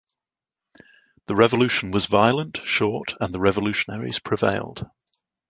The revolution was violent, short, and the revolutionaries prevailed.